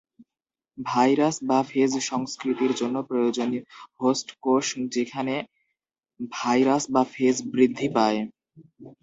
Virus বা phage সংস্কৃতির জন্য প্রয়োজন হোস্ট কোষ যেখানে ভাইরাস বা ফেজ বৃদ্ধি পায়।